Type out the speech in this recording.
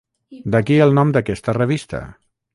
D’aquí el nom d'aquesta revista.